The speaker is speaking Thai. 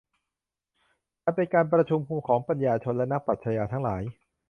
มันเป็นการประชุมของปัญญาชนและนักปรัชญาทั้งหลาย